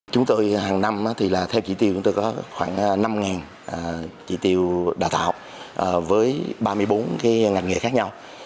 đáp ứng về trường tên của các em là năm nghìn chỉ tiêu đào tạo với ba mươi bốn ngành nghề khác nhau